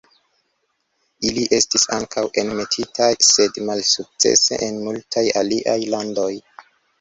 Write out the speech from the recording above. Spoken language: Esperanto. Ili estis ankaŭ enmetitaj sed malsukcese en multaj aliaj landoj.